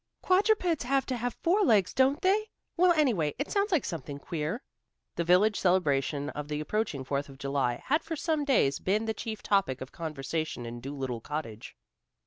"Quadrupeds have to have four legs, don't they? Well, anyway, it sounds like something queer." The village celebration of the approaching Fourth of July had for some days been the chief topic of conversation in Dolittle Cottage.